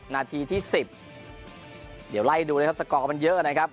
นาทีที่๑๐เดี๋ยวไล่ดูนะครับสกอร์มันเยอะนะครับ